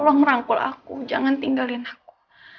tolong merangkul aku jangan tinggalin aku